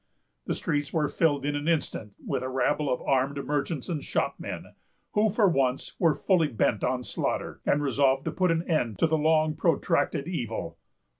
The streets were filled in an instant with a rabble of armed merchants and shopmen, who for once were fully bent on slaughter, and resolved to put an end to the long protracted evil.